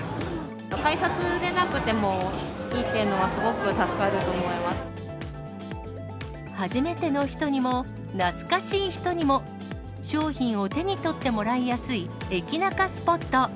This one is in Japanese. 改札出なくてもいいっていう初めての人にも、懐かしい人にも、商品を手に取ってもらいやすい駅ナカスポット。